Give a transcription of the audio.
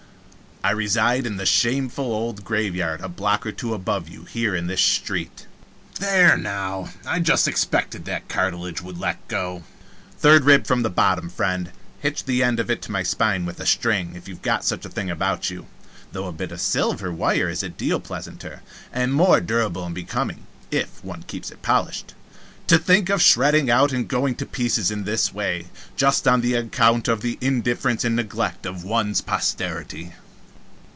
"I reside in the shameful old graveyard a block or two above you here, in this street there, now, I just expected that cartilage would let go! third rib from the bottom, friend, hitch the end of it to my spine with a string, if you have got such a thing about you, though a bit of silver wire is a deal pleasanter, and more durable and becoming, if one keeps it polished to think of shredding out and going to pieces in this way, just on account of the indifference and neglect of one's posterity!"